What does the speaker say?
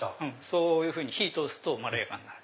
そういうふうに火通すとまろやかになる。